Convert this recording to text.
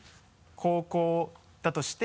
高校だとして。